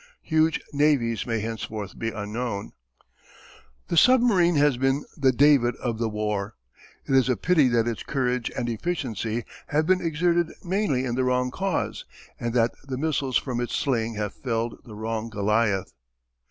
Huge navies may henceforth be unknown. The submarine has been the David of the war. It is a pity that its courage and efficiency have been exerted mainly in the wrong cause and that the missiles from its sling have felled the wrong Goliath.